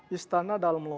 jadi ini istana dalam loka